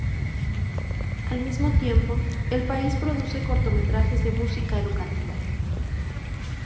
Al mismo tiempo, el país produce cortometrajes de música educativa.